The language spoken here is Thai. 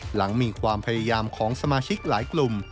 หลังมีความพยายามของสมาชิกหลายกลุ่ม